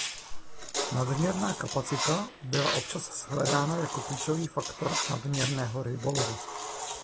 Nadměrná kapacita byla občas shledána jako klíčový faktor nadměrného rybolovu.